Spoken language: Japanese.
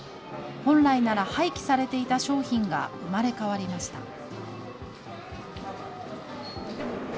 本来なら廃棄されていた商品が生まれ変わりました。